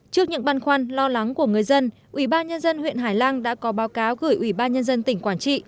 trước những băn khoăn lo lắng của người dân ủy ban nhân dân huyện hải lăng đã có báo cáo gửi ủy ban nhân dân tỉnh quảng trị